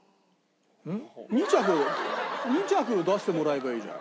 ２着出してもらえばいいじゃん。